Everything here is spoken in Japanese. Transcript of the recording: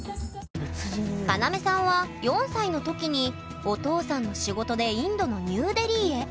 カナメさんは４歳の時にお父さんの仕事でインドのニューデリーへ。